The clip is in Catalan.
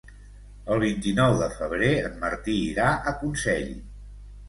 El vint-i-nou de febrer en Martí irà a Consell.